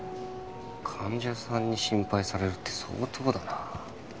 患者さんに心配されるって相当だな。